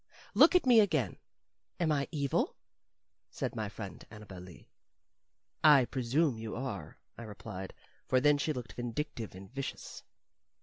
"Look at me again am I evil?" said my friend Annabel Lee. "I presume you are," I replied, for then she looked vindictive and vicious.